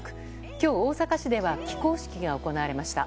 今日、大阪市では起工式が行われました。